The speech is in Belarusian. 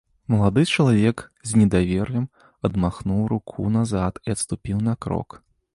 Малады чалавек з недавер'ем адмахнуў руку назад і адступіў на крок.